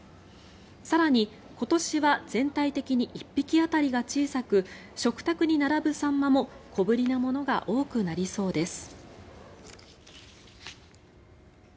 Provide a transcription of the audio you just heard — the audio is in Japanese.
更に、今年は全体的に１匹当たりが小さく食卓に並ぶサンマも小ぶりなものが多くなりそうです。